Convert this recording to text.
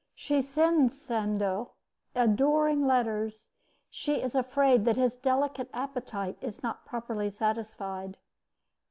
She sends Sandeau adoring letters. She is afraid that his delicate appetite is not properly satisfied.